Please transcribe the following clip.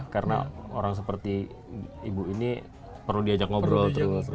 karena orang seperti ibu ini perlu diajak ngobrol